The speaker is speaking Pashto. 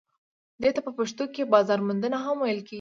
دې ته په پښتو کې بازار موندنه هم ویل کیږي.